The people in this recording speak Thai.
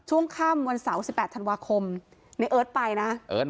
ช่วงค่ำวันเสาร์๑๘ธันวาคมในเอิร์ทไปนะ